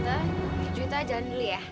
tante juwita jalan dulu ya